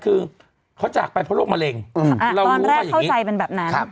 คือเขาจากไปเพราะโรคมะเร็งตอนแรกเข้าใจเป็นแบบนั้น